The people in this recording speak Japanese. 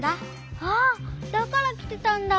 あっだからきてたんだ。